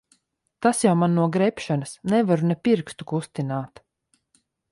Tas jau man no grebšanas. Nevaru ne pirkstu kustināt.